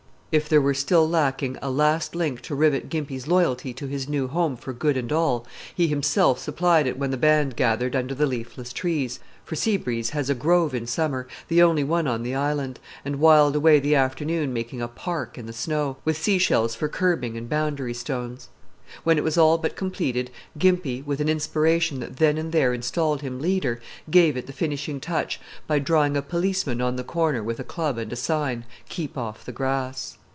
If there were still lacking a last link to rivet Gimpy's loyalty to his new home for good and all, he himself supplied it when the band gathered under the leafless trees for Sea Breeze has a grove in summer, the only one on the island and whiled away the afternoon making a "park" in the snow, with sea shells for curbing and boundary stones. When it was all but completed, Gimpy, with an inspiration that then and there installed him leader, gave it the finishing touch by drawing a policeman on the corner with a club, and a sign, "Keep off the grass."